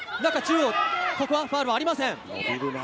なか中央、ここはファウルはありません。